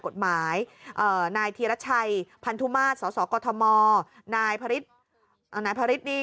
กฎหมายเอ่อนายทีรัชชัยพันธุมาทสศกธมอร์นายพริทนี่